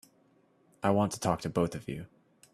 I want to talk to both of you.